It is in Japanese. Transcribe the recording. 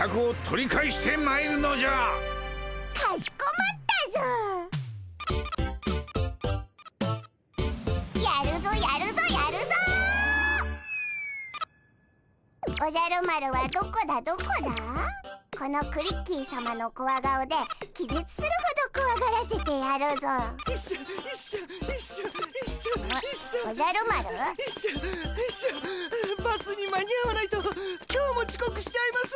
ヨイショヨイショバスに間に合わないと今日もちこくしちゃいます！